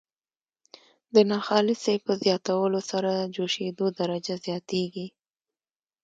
د ناخالصې په زیاتولو سره جوشیدو درجه زیاتیږي.